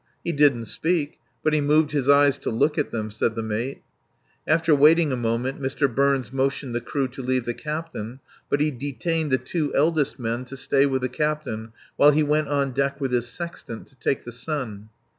"He didn't speak, but he moved his eyes to look at them," said the mate. After waiting a moment, Mr. Burns motioned the crew to leave the cabin, but he detained the two eldest men to stay with the captain while he went on deck with his sextant to "take the sun."